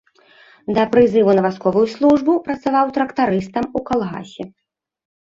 Да прызыву на вайсковую службу працаваў трактарыстам у калгасе.